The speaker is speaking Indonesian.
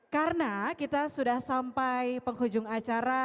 karena kita sudah sampai penghujung acara